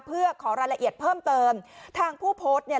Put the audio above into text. เพื่อขอรายละเอียดเพิ่มเติมทางผู้โพสต์เนี่ย